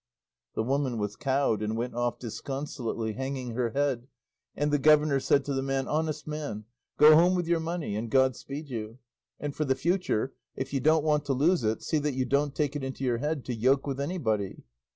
The woman was cowed and went off disconsolately, hanging her head; and the governor said to the man, "Honest man, go home with your money, and God speed you; and for the future, if you don't want to lose it, see that you don't take it into your head to yoke with anybody."